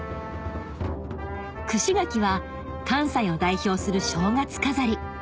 串柿は関西を代表する正月飾り